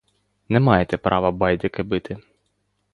Не маєте права байдики бити.